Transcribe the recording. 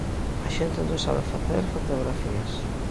A xente non sabe facer fotografías.